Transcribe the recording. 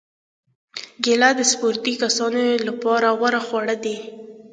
کېله د سپورتي کسانو لپاره غوره خواړه ده.